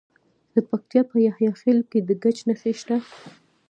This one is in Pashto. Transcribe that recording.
د پکتیکا په یحیی خیل کې د ګچ نښې شته.